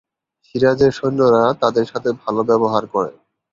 সিরাজের সৈন্যরা তাদের সাথে ভাল ব্যবহার করে।